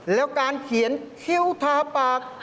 แล้วการเขียนคิ้วทาปาก